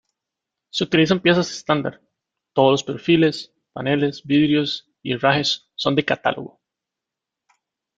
Se utilizan piezas estándar: todos los perfiles, paneles, vidrios y herrajes son ‘de catálogo’.